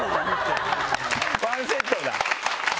ワンセットだ。